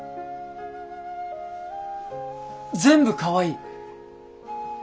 全部かわいい！